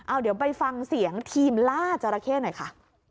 เอาเดี๋ยวไปฟังเสียงทีมล่าจราเข้หน่อยค่ะ